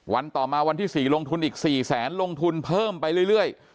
ต่อมาวันที่๔ลงทุนอีก๔แสนลงทุนเพิ่มไปเรื่อย